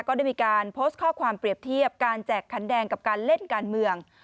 ก็ได้มีการโพสต์ข้อความเปรียบเทียบการแจกขันแดงกับการเล่นการเมือง